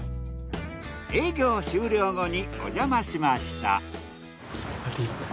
営業終了後におじゃましました。